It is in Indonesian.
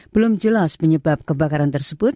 belum jelas penyebab kebakaran tersebut